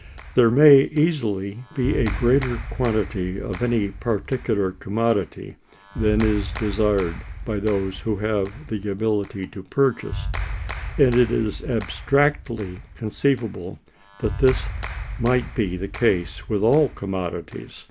There may easily be a greater quantity of any particular commodity than is desired by those who have the ability to purchase, and it is abstractedly conceivable that this might be the case with all commodities.